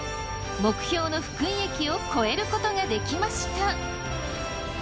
目標の福井駅を越えることができました。